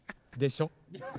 でしょ？